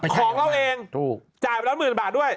ของเราเองถูกจ่ายไปแล้วหมื่นบาทด้วย